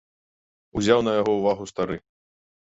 Узяў на яго ўвагу стары.